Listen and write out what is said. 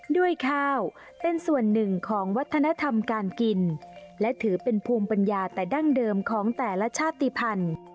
ด้วยข้าวเป็นส่วนหนึ่งของวัฒนธรรมการกินและถือเป็นภูมิปัญญาแต่ดั้งเดิมของแต่ละชาติภัณฑ์